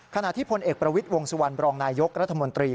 ขณะที่พลเอกประวิทย์วงสุวรรณบรองนายยกรัฐมนตรี